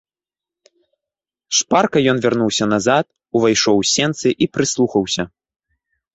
Шпарка ён вярнуўся назад, увайшоў у сенцы і прыслухаўся.